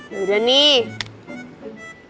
ya udah nih